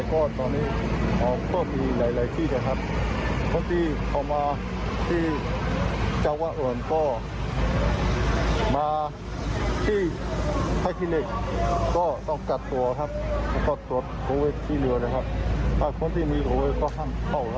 อ๋อครับกักตัวครับ๑๔วัน